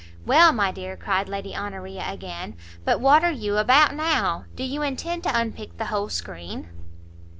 "Well, my dear," cried Lady Honoria, again, "but what are you about now? do you intend to unpick the whole screen?"